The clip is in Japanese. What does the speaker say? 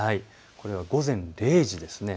これは午前０時です。